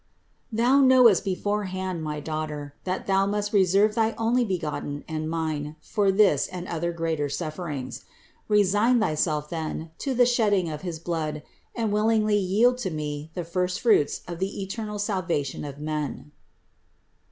Thou knowest beforehand, my Daugh ter, that thou must reserve thy Onlybegotten and Mine for this and other greater sufferings. Resign thyself, then, to the shedding of his blood and willingly yield to Me the first fruits of the eternal salvation of men."